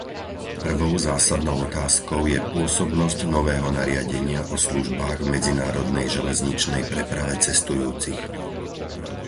Prvou zásadnou otázkou je pôsobnosť nového nariadenia o službách v medzinárodnej železničnej preprave cestujúcich.